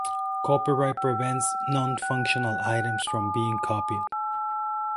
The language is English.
Copyright prevents nonfunctional items from being copied.